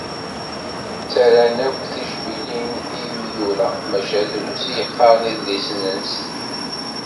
Ttarran akk tijmilin i imyura, maca drus i yeqqaren idlisen-nsen.